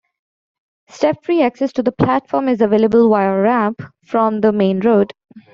Step-free access to the platform is available via a ramp from the main road.